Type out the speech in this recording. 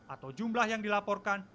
atau jumlah yang dilaporkan